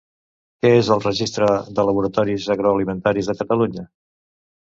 Què és el Registre de laboratoris agroalimentaris de Catalunya?